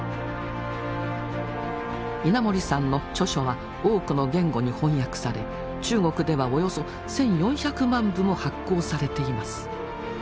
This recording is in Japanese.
稲盛さんの著書は多くの言語に翻訳され中国ではおよそ１，４００万部も発行されています。